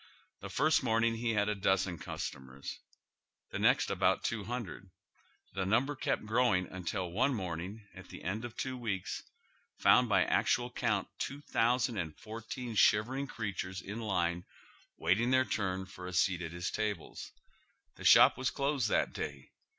The first morning he bad a'dozen customers, tlie next about two Imndred. The number kept growing until one morning, at the end of two weeks, found by actual count 3,014 shivering creatures in line waiting their turn for a seat at his tables. The shop was closed tliat day.